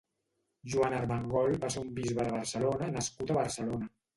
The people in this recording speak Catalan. Joan Armengol va ser un bisbe de Barcelona nascut a Barcelona.